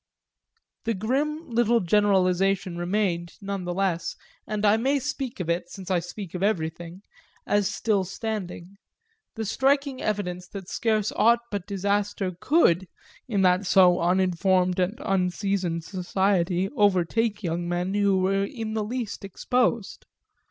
The grim little generalisation remained, none the less, and I may speak of it since I speak of everything as still standing: the striking evidence that scarce aught but disaster could, in that so unformed and unseasoned society, overtake young men who were in the least exposed.